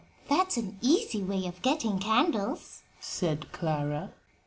"That's an easy way of getting candles," said Clara.